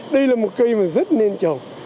đây là một cây mà rất nên trồng